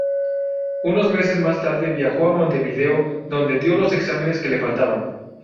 Unos meses más tarde viajó a Montevideo donde dio los exámenes que le faltaban.